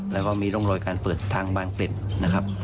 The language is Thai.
แล้วก็มีร่องรอยการเปิดทางบางเกร็ดนะครับ